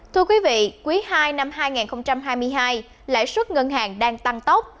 thưa quý vị quý ii năm hai nghìn hai mươi hai lãi suất ngân hàng đang tăng tốc